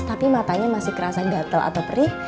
tapi matanya masih kerasa gatel atau perih